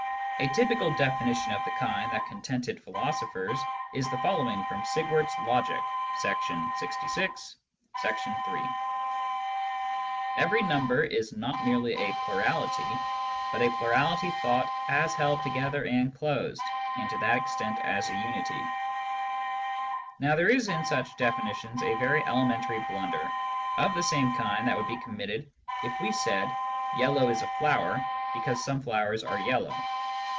A typical definition of the kind that contented philosophers is the following from Sigwart's Logic (§ 66, section 3) :" Every number is not merely a plurality ^ but a plurality thought as held together and closed^ and to that extent as a unity T Now there is in such definitions a very elementary blunder, of the same kind that would be committed if we said " yellow is a flower " because some flowers are yellow.